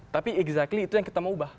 tapi egzagly itu yang kita mau ubah